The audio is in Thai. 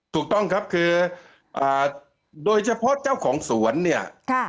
ถูกต้องครับคือโดยเฉพาะเจ้าของสวนเนี่ย